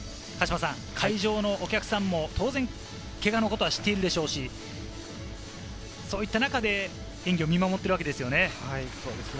会場のお客さんも当然けがのことは知っているでしょうし、そういった中で演技を見守っているわけですよね。